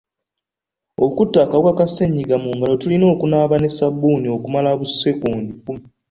Okutta akawuka ka ssenyiga mu ngalo tulina kunaaba na ssabbuuni okumala obusikonda kkumi.